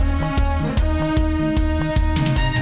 โปรดติดตามตอนต่อไป